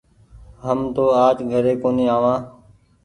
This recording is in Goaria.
هم تو آج گهري ڪونيٚ آوآن ۔